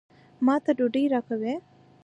ما ته ډوډۍ راکوي.